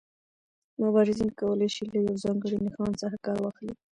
مبارزین کولای شي له یو ځانګړي نښان څخه کار واخلي.